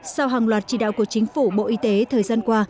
sau hàng loạt chỉ đạo của chính phủ bộ y tế thời gian qua